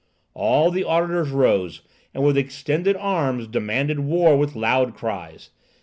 All the auditors rose, and with extended arms demanded war with loud cries.